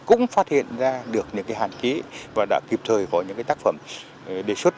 cũng phát hiện ra được những hạn ký và đã kịp thời có những tác phẩm đề xuất